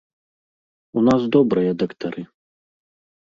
У нас добрыя дактары.